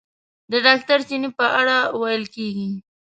د ډاکټر چیني په اړه ویل کېږي.